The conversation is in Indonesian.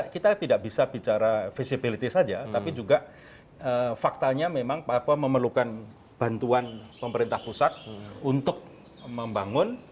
kita tidak bisa bicara visibility saja tapi juga faktanya memang papua memerlukan bantuan pemerintah pusat untuk membangun